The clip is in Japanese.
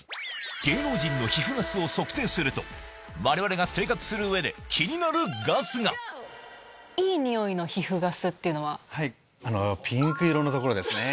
芸能人の皮膚ガスを測定すると我々が生活する上で気になるガスがピンク色の所ですね。